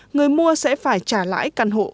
người mua sẽ phải trả lãi căn hộ